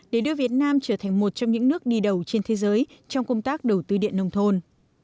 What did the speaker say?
để đưa việt nam trở thành một trong những nước đi đầu trên thế giới trong công tác đầu tư điện nông thôn